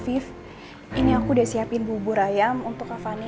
afiq ini aku udah siapin bubur ayam untuk kak fani